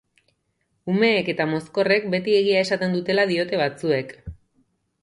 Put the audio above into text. Umeek eta mozkorrek beti egia esaten dutela diote batzuek.